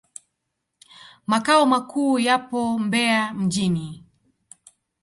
Makao makuu yapo Mbeya mjini.